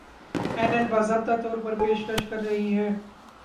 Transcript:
اینایل باضابطہ طور پر پیشکش کر رہی ہے